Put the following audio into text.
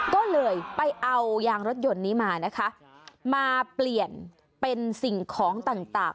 ก็เลยไปเอายางรถยนต์นี้มานะคะมาเปลี่ยนเป็นสิ่งของต่าง